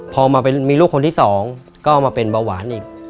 พอมามีลูกคนที่๒ก็มาเป็นเบาหวานอีก